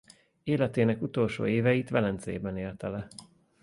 Életének utolsó éveit Velencében élte le.